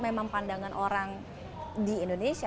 memang pandangan orang di indonesia